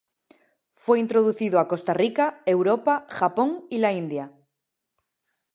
Fue introducido a Costa Rica, Europa, Japón y la India.